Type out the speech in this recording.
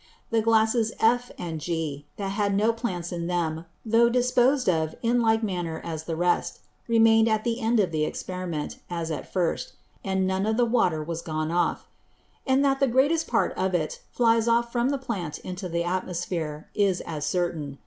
The Glasses F and G, that had no Plants in them, though disposed of in like manner as the rest, remain'd at the End of the Experiment, as at first; and none of the Water was gone off. And that the greatest part of it flies off from the Plant into the Atmosphere, is as certain.